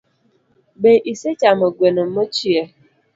Be isechamo gweno mochiel?